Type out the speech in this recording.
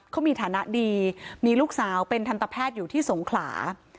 เขามีฐานะดีมีลูกสาวเป็นทันตแพทย์อยู่ที่สงขลา